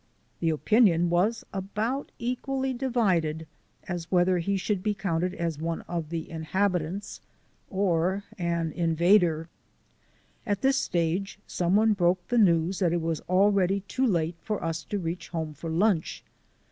The opinion was about equally divided as to whether he should be counted as one of the inhabitants or an invader. At this stage someone broke the news that it was already too late for us to reach home for lunch.